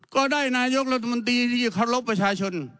ก็ได้นายกรัฐมนตรีที่จะเคารพประชาชน